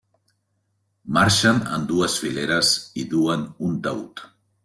Marxen en dues fileres i duen un taüt.